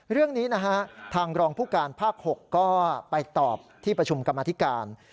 เรื่องนี้นะฮะทางรองผู้การภาค๖ก็ไปตอบที่ประชุมกรรมธิการ